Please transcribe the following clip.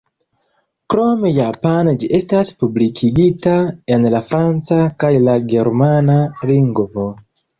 Krom japane ĝi estas publikigita en la franca kaj la germana lingvo.